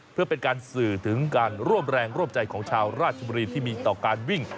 เพื่อเป็นการสื่อถึงการร่วมแรงร่วมใจของชาวราชบุรีที่มีต่อการวิ่ง